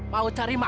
mau cari makhluk